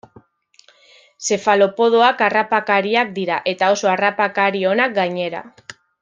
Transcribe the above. Zefalopodoak harrapakariak dira, eta oso harrapakari onak gainera.